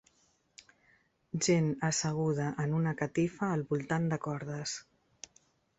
Gent asseguda en una catifa al voltant de cordes.